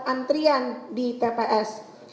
antrian di tps